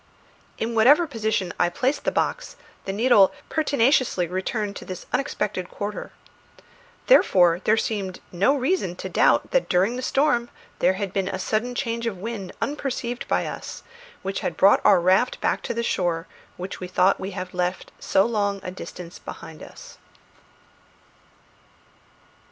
In whatever position I placed the box the needle pertinaciously returned to this unexpected quarter. Therefore there seemed no reason to doubt that during the storm there had been a sudden change of wind unperceived by us, which had brought our raft back to the shore which we thought we had left so long a distance behind us.